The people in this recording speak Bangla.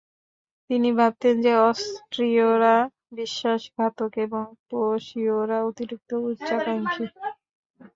তিনি ভাবতেন যে অস্ট্রীয়রা বিশ্বাসঘাতক এবং প্রুশিয়রা অতিরিক্ত উচ্চাকাঙ্ক্ষী।